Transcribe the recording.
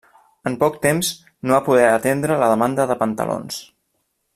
En poc temps, no va poder atendre la demanda de pantalons.